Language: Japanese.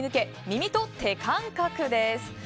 耳と手感覚です。